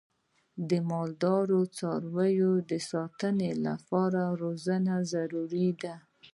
د مالدارۍ د څارویو د ساتنې لپاره روزنه ضروري ده.